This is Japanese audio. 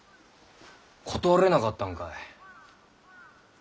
断れなかったんか？